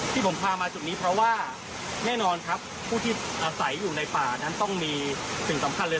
ที่ผมพามาจุดนี้เพราะว่าแน่นอนครับผู้ที่อาศัยอยู่ในป่านั้นต้องมีสิ่งสำคัญเลย